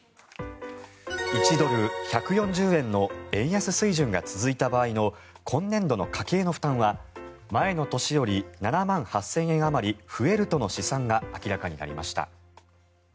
１ドル＝１４０円の円安水準が続いた場合の今年度の家計の負担は前の年より７万８０００円あまり増えるとの試算が明らかになりました。